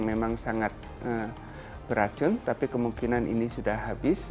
memang sangat beracun tapi kemungkinan ini sudah habis